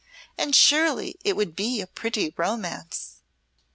And surely it would be a pretty romance."